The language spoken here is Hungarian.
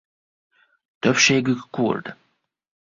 Többségük kurd.